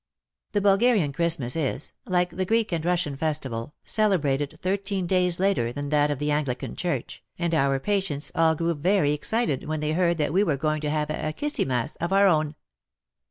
The Bulgarian Xmas is, like the Greek and Russian festival, celebrated thirteen days later than that of the Anglican Church, and our patients all grew very excited when they heard that we were going to have a " Kissi mas " of our own.